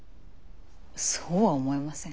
そうは思えません。